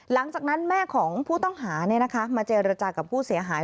หลังจากนั้นแม่ของผู้ต้องหามาเจรจากับผู้เสียหาย